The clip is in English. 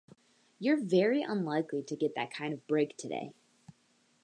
You're very unlikely to get that kind of break today.